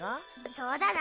そうだな。